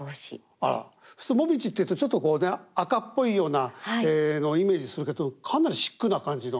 あら普通紅葉っていうとちょっと赤っぽいようなイメージするけどかなりシックな感じの。